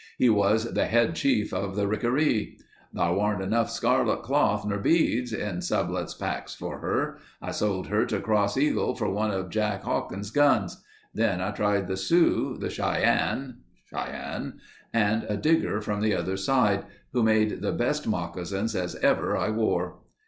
He was the head chief of the Ricaree. Thar wan't enough scarlet cloth nor beads ... in Sublette's packs for her ... I sold her to Cross Eagle for one of Jake Hawkins' guns.... Then I tried the Sioux, the Shian (Cheyenne) and a Digger from the other side, who made the best moccasins as ever I wore."